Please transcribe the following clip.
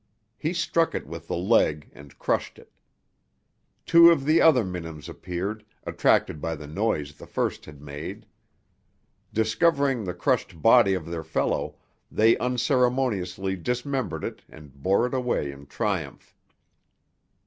He struck it with the leg and crushed it. Two of the other minims appeared, attracted by the noise the first had made. Discovering the crushed body of their fellow, they unceremoniously dismembered it and bore it away in triumph.